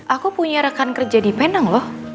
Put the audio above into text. aku punya rekan kerja di penang loh